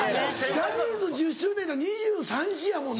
ジャニーズ１０周年いうたら２３２４やもんな。